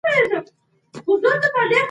که خلګ بېوزله وي، نو د ټولني نظام خرابېږي.